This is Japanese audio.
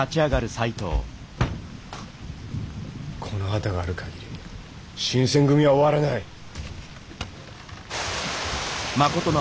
この旗があるかぎり新選組は終わらない。